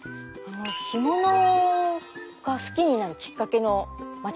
干物が好きになるきっかけの町だったんですね。